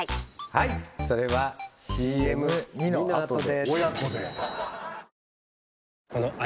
はいそれはＣＭ②のあとで！